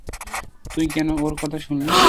তুই কেন ওর কথা শুনলি?